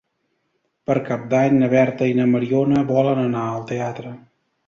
Per Cap d'Any na Berta i na Mariona volen anar al teatre.